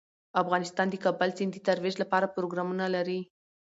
افغانستان د کابل سیند د ترویج لپاره پروګرامونه لري.